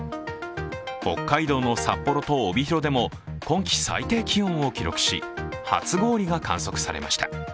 北海道の札幌と帯広でも今季最低気温を記録し初氷が観測されました。